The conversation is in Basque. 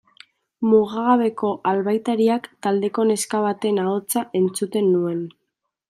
Mugagabeko Albaitariak taldeko neska baten ahotsa entzuten nuen.